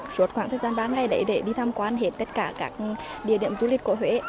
suốt khoảng thời gian ba ngày đấy để đi tham quan hết tất cả các địa điểm du lịch của huế